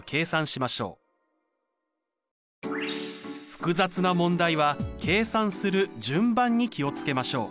複雑な問題は計算する順番に気を付けましょう。